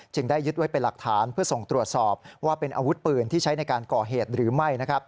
ได้ยึดไว้เป็นหลักฐานเพื่อส่งตรวจสอบว่าเป็นอาวุธปืนที่ใช้ในการก่อเหตุหรือไม่